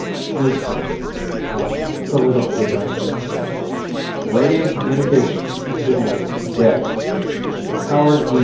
(News Clipping: From Philadelphia Banner) RADIO COMMUNICATIONS ENGINEER DEAD Howard E.